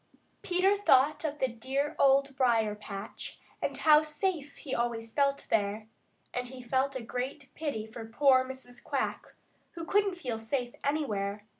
Peter thought of the dear Old Briar patch and how safe he always felt there, and he felt a great pity for poor Mrs. Quack, who couldn't feel safe anywhere.